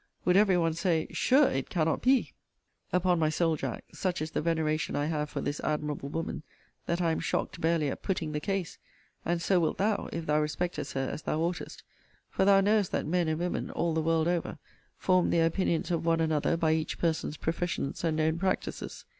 would every one say; sure it cannot be! Upon my soul, Jack, such is the veneration I have for this admirable woman, that I am shocked barely at putting the case and so wilt thou, if thou respectest her as thou oughtest: for thou knowest that men and women, all the world over, form their opinions of one another by each person's professions and known practices.